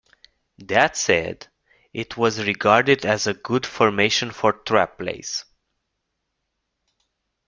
That said, it was regarded as a good formation for trap plays.